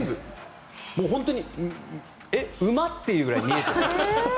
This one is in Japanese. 本当に馬？っていうぐらい見えています。